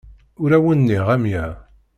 Ur awen-nniɣ amya.